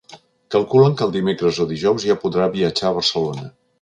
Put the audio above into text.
Calculen que el dimecres o dijous ja podrà viatjar a Barcelona